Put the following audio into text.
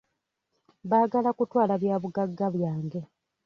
Baagala kutwala bya bugagga byange.